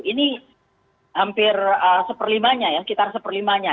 ini hampir seperlimanya ya sekitar seperlimanya